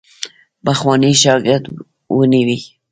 پخوانی شاګرد ونیوی.